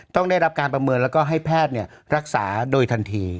ต้องได้รับการประเมินแล้วก็ให้แพทย์รักษาโดยทันที